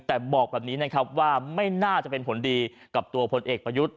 แต่บอกแบบนี้นะครับว่าไม่น่าจะเป็นผลดีกับตัวพลเอกประยุทธ์